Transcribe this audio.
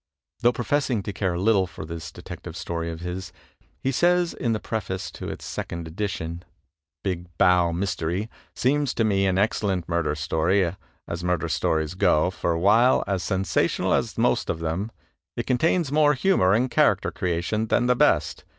Though professing to care little for this Detective Story of his, he says in the preface to its second edition: "*Big Bow Mystery' seems to me an excellent murder story, as murder stories go, for, while as sensational as the most of them, it contains more humor and character creation than the best.